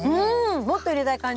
もっと入れたい感じ！